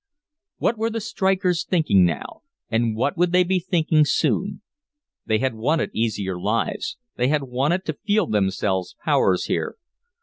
What were the strikers thinking now, and what would they be thinking soon? They had wanted easier lives, they had wanted to feel themselves powers here.